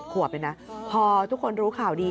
ลูกสาววัย๗ควบเลยนะพอทุกคนรู้ข่าวดี